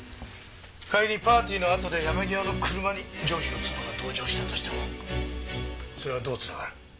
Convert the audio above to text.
仮にパーティーのあとで山際の車に上司の妻が同乗したとしてもそれがどう繋がる？